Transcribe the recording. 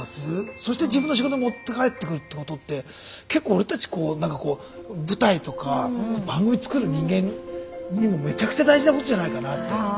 そして自分の仕事に持って帰ってくるってことって結構俺たち何かこう舞台とか番組作る人間にもめちゃくちゃ大事なことじゃないかなって。